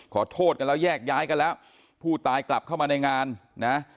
ขอโทษกันแล้วแยกย้ายกันแล้วผู้ตายกลับเข้ามาในงานนะ